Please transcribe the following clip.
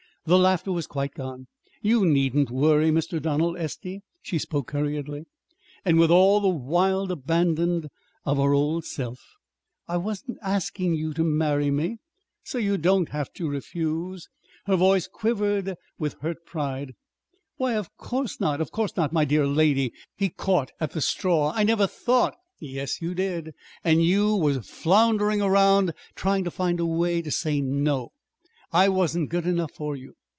The laughter was quite gone. "You needn't worry, Mr. Donald Estey." She spoke hurriedly, and with all the wild abandon of her old self. "I wasn't asking you to marry me so you don't have to refuse." Her voice quivered with hurt pride. "Why, of course not, of course not, my dear lady!" He caught at the straw. "I never thought " "Yes, you did; and you was floundering around trying to find a way to say no. I wasn't good enough for you.